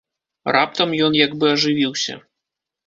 Раптам ён як бы ажывіўся.